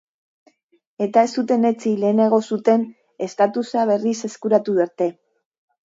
Eta ez zuten etsi lehenago zuten estatusa berriz eskuratu arte.